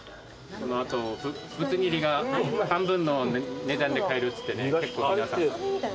ブツ切りが半分の値段で買えるっつって結構皆さん。